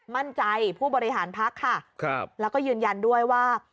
มั่นใจผู้บริหารพักค่ะครับแล้วก็ยืนยันด้วยว่า